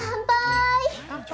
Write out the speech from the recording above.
乾杯！